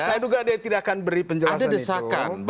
saya duga dia tidak akan beri penjelasan itu